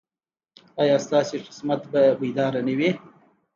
ایا ستاسو قسمت به بیدار نه وي؟